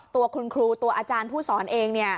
ตัวคุณครูตัวอาจารย์ผู้สอนเอง